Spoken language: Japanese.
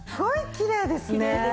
きれいですね。